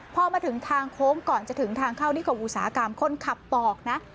พอมาถึงทางโค้งก่อนจะถึงทางเข้านิคมอุตสาหกรรมคนขับบอกนะ